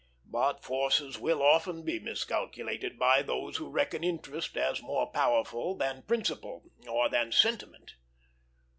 But forces will often be miscalculated by those who reckon interest as more powerful than principle or than sentiment.